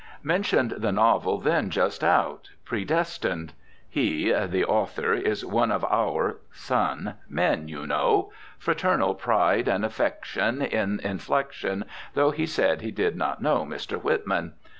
Mentioned the novel then just out, "Predestined." "He [the author] is one of our [Sun] men, you know." Fraternal pride and affection in inflection, though he said he did not know Mr. Whitman.